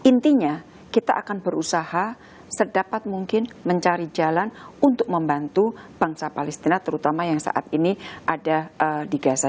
intinya kita akan berusaha sedapat mungkin mencari jalan untuk membantu bangsa palestina terutama yang saat ini ada di gaza